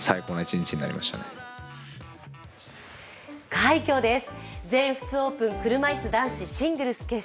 快挙です。